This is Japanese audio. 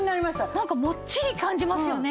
なんかもっちり感じますよね。